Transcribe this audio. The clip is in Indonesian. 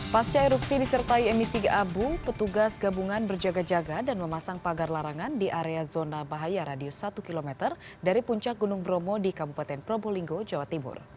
pasca erupsi disertai emisi gabung petugas gabungan berjaga jaga dan memasang pagar larangan di area zona bahaya radius satu km dari puncak gunung bromo di kabupaten probolinggo jawa timur